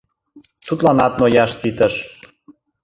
Тудланат нояш ситыш.